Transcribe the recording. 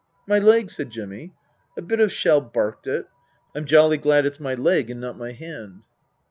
" My leg ?" said Jimmy. " A bit of shell barked it. I'm jolly glad it's my leg and not my hand."